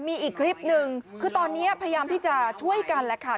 มีอีกคลิปหนึ่งคือตอนนี้พยายามที่จะช่วยกันแหละค่ะ